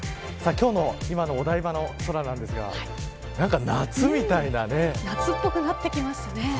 今日の今のお台場の空ですが夏っぽくなってきましたね。